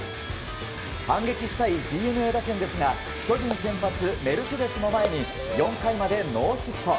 反撃したいＤｅＮＡ打線ですが巨人先発、メルセデスの前に４回までノーヒット。